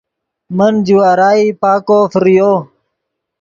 من جوارائی پاکو فریو